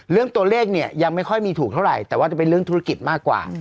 เรื่องตัวเลขเนี่ยยังไม่ค่อยมีถูกเท่าไหร่แต่ว่าจะเป็นเรื่องธุรกิจมากกว่า